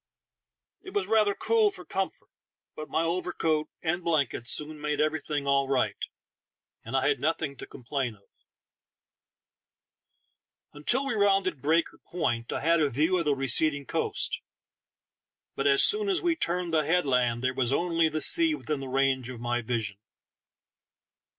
It was rather cool for comfort, but my overcoat and blankets soon made everything all right, and I had nothing to complain of Until we rounded Breaker Point I had a view of the receding coast, but as soon as we turned that headland there was only the sea within the range of my vision.